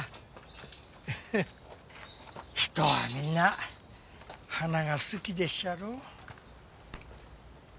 人はみんな花が好きでっしゃろ。